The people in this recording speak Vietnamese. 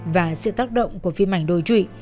và sự tác động của phim ảnh đôi trụy